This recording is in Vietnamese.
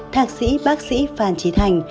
thạc sĩ bác sĩ phan trí thành